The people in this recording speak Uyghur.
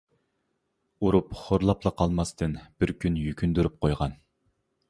ئۇرۇپ خورلاپلا قالماستىن بىر كۈن يۈكۈندۈرۈپ قويغان.